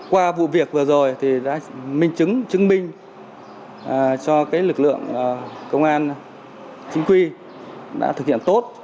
qua vụ việc vừa rồi thì đã chứng minh cho cái lực lượng công an chính quy đã thực hiện tốt